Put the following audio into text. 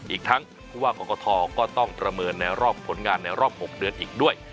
อีกทั้งผู้ว่ากรกฐก็ต้องประเมินในรอบผลงานในรอบ๖เดือนอีกด้วย